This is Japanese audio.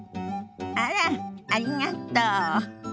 あらっありがとう。